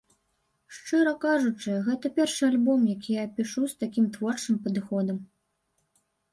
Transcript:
Шчыра кажучы, гэта першы альбом, які я пішу з такім творчым падыходам.